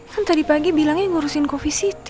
kan tadi pagi bilangnya ngurusin coffee city